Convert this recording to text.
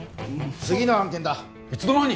次の案件だいつの間に！？